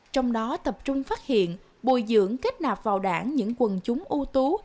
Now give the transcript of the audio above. trong đó tập trung phát hiện bồi dưỡng kết nạp vào đảng những quần chúng ưu tú